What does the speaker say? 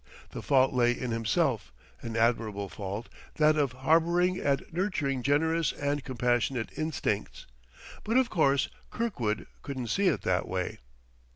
The fault lay in himself: an admirable fault, that of harboring and nurturing generous and compassionate instincts. But, of course, Kirkwood couldn't see it that way.